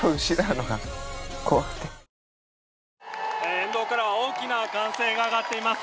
沿道からは大きな歓声が上がっています。